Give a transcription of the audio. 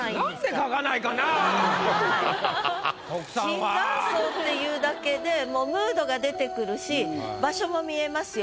「椿山荘」っていうだけでもうムードが出てくるし場所も見えますよ。